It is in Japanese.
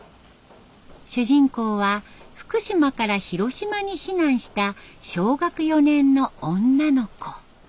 主人公は福島から広島に避難した小学４年の女の子。